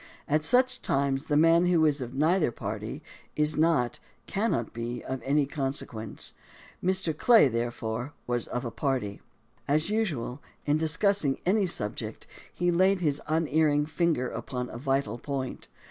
At such times the man who is of neither party is not, cannot be, of any consequence. Mr. Clay, therefore, was of a party. As usual, in discussing any subject, he laid his un erring finger upon a vital point.